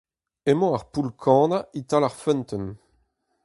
Emañ ar poull-kannañ e-tal ar feunteun.